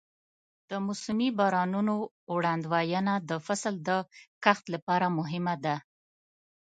د موسمي بارانونو وړاندوینه د فصل د کښت لپاره مهمه ده.